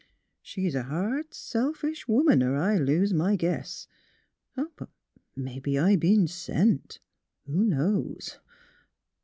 She's a hard, selfish woman, er I lose my guess. But mebbe I b'en sent, who knows?